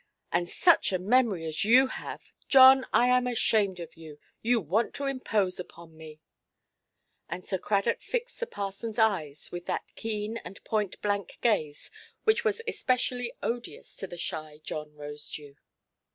And such a memory as you have! John, I am ashamed of you. You want to impose upon me". And Sir Cradock fixed the parsonʼs eyes with that keen and point–blank gaze, which was especially odious to the shy John Rosedew.